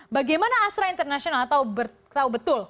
bagaimana astra international atau tahu betul